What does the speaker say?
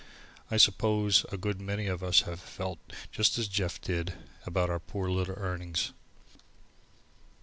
I suppose a good many of us have felt just as Jeff did about our poor little earnings.